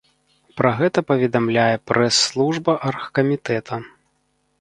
Пра гэта паведамляе прэс-служба аргкамітэта.